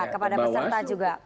kepada peserta juga